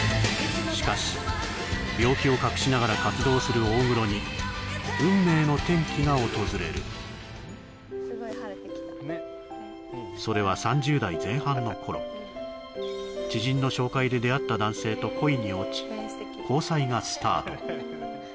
しかし病気を隠しながら活動する大黒に運命の転機が訪れるそれは３０代前半の頃知人の紹介で出会った男性と恋に落ち交際がスタート